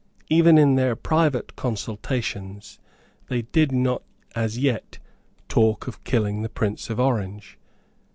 Even in their private consultations they did not as yet talk of killing the Prince of Orange.